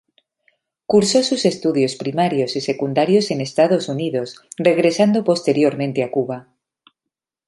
Cursó sus estudios primarios y secundarios en Estados Unidos regresando posteriormente a Cuba.